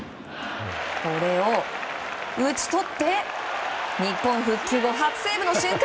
これを打ち取って日本復帰後、初セーブの瞬間